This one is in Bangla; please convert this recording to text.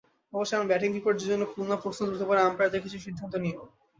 অবশ্য এমন ব্যাটিং বিপর্যয়ের জন্য খুলনা প্রশ্ন তুলতে পারে আম্পায়ারদের কিছু সিদ্ধান্ত নিয়েও।